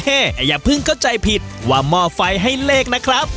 แต่อย่าเพิ่งเข้าใจผิดว่าหม้อไฟให้เลขนะครับ